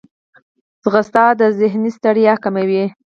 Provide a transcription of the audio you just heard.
منډه د ذهني ستړیا کموي